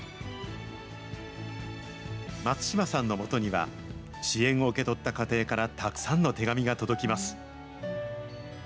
松島さんのもとには、支援を受け取った家庭からたくさんの手紙が届きます。